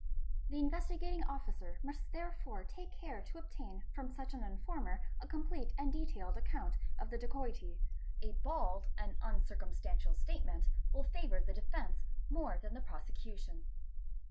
The Investigating Officer must therefore take care to obtain from such an informer a complete and detailed account of the dacoity. A bald and uncircumstantial statement will favour the defence more than the prosecution.